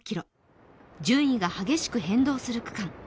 順位が激しく変動する区間。